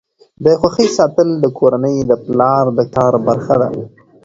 د خوښۍ ساتل د کورنۍ د پلار د کار برخه ده.